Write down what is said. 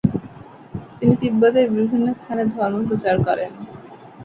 তিনি তিব্বতের বিভিন্ন স্থানে ধর্মপ্রচার করেন।